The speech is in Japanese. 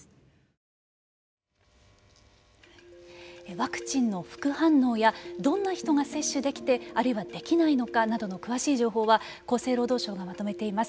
ワクチンの副反応やどんな人が接種できてあるいはできないのかなどの詳しい情報は厚生労働省がまとめています。